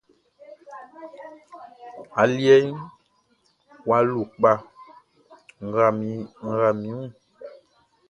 Aliɛʼn wʼa lo kpa, n rali min wun.